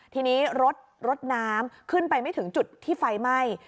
ทีนี้รถรถน้ำขึ้นไปไม่ถึงจุดที่ไฟไหม้